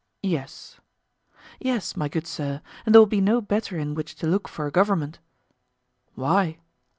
Yes. Yes, my good Sir, and there will be no better in which to look for a government. Why?